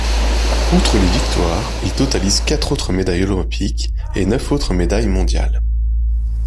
Outre les victoires, il totalise quatre autres médailles olympiques et neuf autres médailles mondiales.